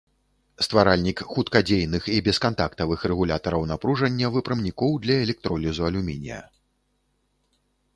Стваральнік хуткадзейных і бескантактавых рэгулятараў напружання выпрамнікоў для электролізу алюмінія.